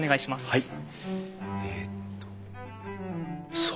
はい。